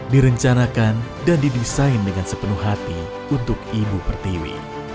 direncanakan dan didesain dengan sepenuh hati untuk ibu pertiwi